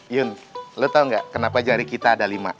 yun lo tau gak kenapa jari kita ada lima